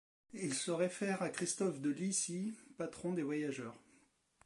Il se réfère à Christophe de Lycie, Saint Patron des voyageurs.